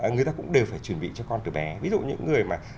người ta cũng đều phải chuẩn bị cho con từ bé ví dụ những người mà